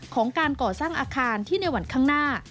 ของการก่อสร้างอาคารที่ในวันข้างหน้า